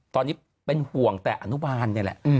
ตอนนี้เป็นห่วงแต่อนุบาลนี่แหละ